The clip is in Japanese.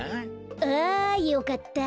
あよかった。